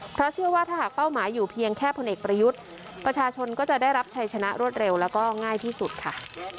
เพราะเชื่อว่าถ้าหากเป้าหมายอยู่เพียงแค่พลเอกประยุทธ์ประชาชนก็จะได้รับชัยชนะรวดเร็วแล้วก็ง่ายที่สุดค่ะ